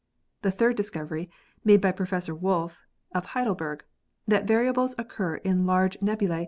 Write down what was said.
The third discovery, made by Professor Wolf, of Heidelberg, that variables occur in large nebula?